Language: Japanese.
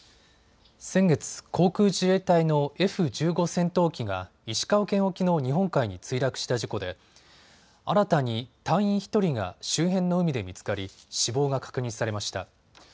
先月、航空自衛隊のＦ１５戦闘機が石川県沖の日本海に墜落した事故で新たに隊員１人が周辺の海で見つかり、死亡が確認されました。